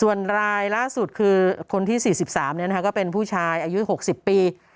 ส่วนรายล่าสุดคือคนที่๔๓ก็เป็นผู้ชายอายุ๖๐ปี